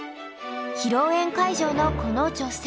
披露宴会場のこの女性。